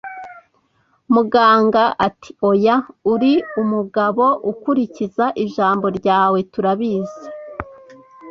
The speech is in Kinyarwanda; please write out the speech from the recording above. Muganga ati: “Oya.” “Uri umugabo ukurikiza ijambo ryawe, turabizi.”